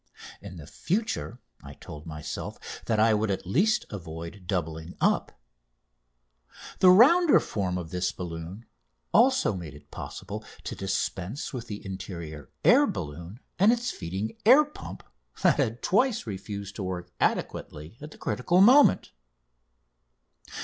In the future I told myself that I would at least avoid doubling up. The rounder form of this balloon also made it possible to dispense with the interior air balloon and its feeding air pump that had twice refused to work adequately at the critical moment.